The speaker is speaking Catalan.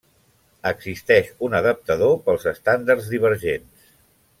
Existeix un adaptador pels estàndards divergents.